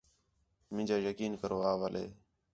مینجا یقین کرو اَولے